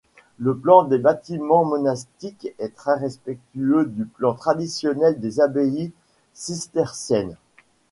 Le plan des bâtiments monastiques est très respectueux du plan traditionnel des abbayes cisterciennes.